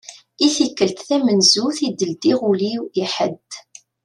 I tikkelt tamenzut i d-ldiɣ ul-iw i ḥed.